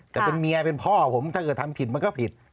แต่เป็นเมียเป็นพ่อผมถ้าเกิดทำผิดมันก็ผิด